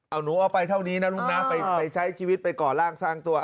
เอาหนูเอาไปเท่านี้นะลูกนะไปใช้ชีวิตไปก่อร่างสร้างตัว